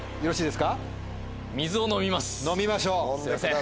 すみません。